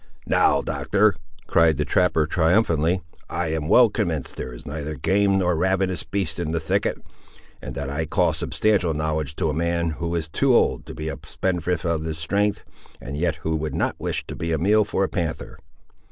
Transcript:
"Now, Doctor," cried the trapper, triumphantly, "I am well convinced there is neither game nor ravenous beast in the thicket; and that I call substantial knowledge to a man who is too old to be a spendthrift of his strength, and yet who would not wish to be a meal for a panther!"